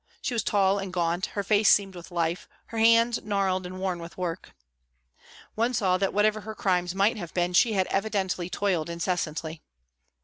She was tall and gaunt, her face seamed with life, her hands gnarled and worn with work. One saw that whatever her crimes might have been she had evidently toiled incessantly.